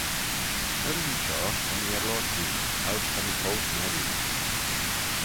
Ny reddyn shoh ta mee er loayrt riu, choud's ta mee foast meriu.